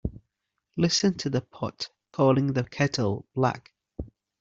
Listen to the pot calling the kettle black.